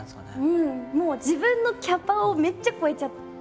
もう自分のキャパをめっちゃ超えちゃったんですよね